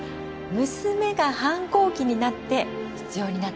娘が反抗期になって必要になったら